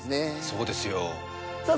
そうですよさあ